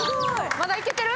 まだいけてる。